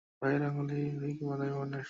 পা, পায়ের আঙ্গুল এবং থাবা ফিকে বাদামি বর্ণের।